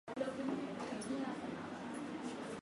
sawa ambayo inachukua magari bila dereva kutoka